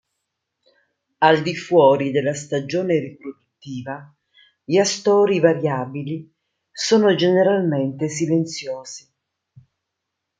Al di fuori della stagione riproduttiva, gli astori variabili sono generalmente silenziosi.